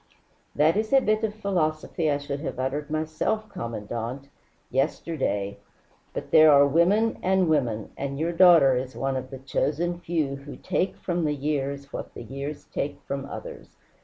"That is a bit of philosophy I should have uttered myself, Commandante yesterday. But there are women and women, and your daughter is one of the chosen few who take from the years what the years take from others.